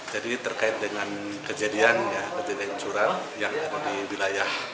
jadi terkait dengan kejadian pencurian yang ada di wilayah